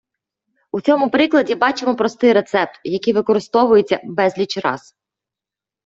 У цьому прикладі бачимо простий рецепт, який використовується безліч раз.